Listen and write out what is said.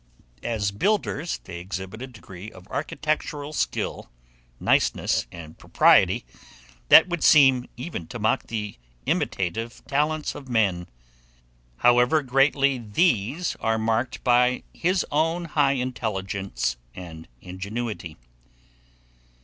As builders, they exhibit a degree of architectural skill, niceness, and propriety, that would seem even to mock the imitative talents of man, however greatly these are marked by his own high intelligence and ingenuity.